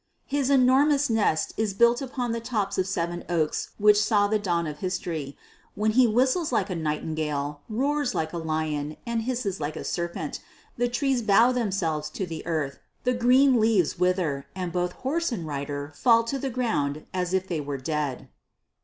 "His enormous nest is built upon the tops of seven oaks which saw the dawn of history. When he whistles like a nightingale, roars like a lion, and hisses like a serpent, the trees bow themselves to the earth, the green leaves wither, and both horse and rider fall to the ground as if they were dead."